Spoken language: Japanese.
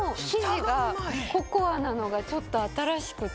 なのがちょっと新しくて。